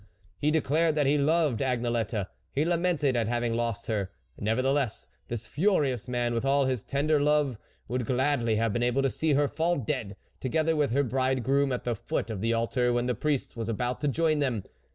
He declared that he loved Agnelette ; he lamented at having lost her ; neverthe less, this furious man, with all his tender love, would gladly have been able to see her fall dead, together with her bride groom, at the foot of the altar when the priest was about to join them.